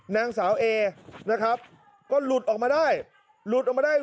นางสาวเอนะครับก็หลุดออกมาได้หลุดออกมาได้